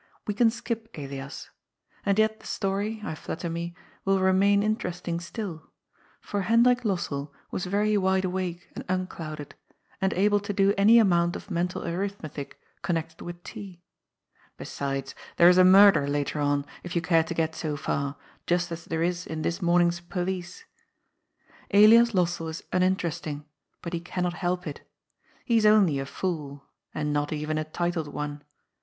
We can skip Elias ; and yet the story, I flatter me, will remain interest ing still, for Hendrik Lossell was yery wide awake and un clouded, and able to do any amount of mental arithmetic, connected with tea. Besides, there is a murder later on, if you care to get so far, just as there is in this morning's " Police." Elias Lossell is uninteresting, but he cannot help it. He is only a fool, and not even a titled one.